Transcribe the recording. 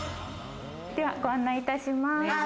では、ご案内いたします。